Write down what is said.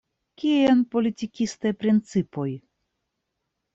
Kien politikistaj principoj?